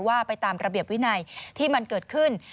ว่าไปตามระเบียบวินัยที่มันเกิดขึ้น